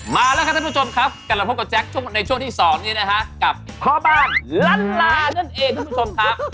มาแล้วครับท่านผู้ชมครับกลับมาพบกับแจ๊คในช่วงที่๒นี้นะฮะกับพ่อบ้านล้านลานั่นเองคุณผู้ชมครับ